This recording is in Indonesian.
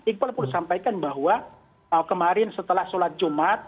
iqbal perlu sampaikan bahwa kemarin setelah sholat jumat